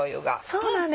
そうなんですね。